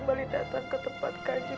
mama kenapa nelfon ya